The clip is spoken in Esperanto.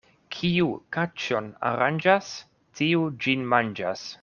Kiu kaĉon aranĝas, tiu ĝin manĝas.